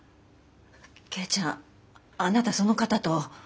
圭ちゃんあなたその方と。